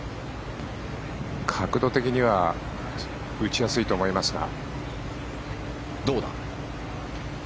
角度的には打ちやすいと思いますが。